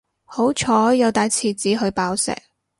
好彩有帶廁紙去爆石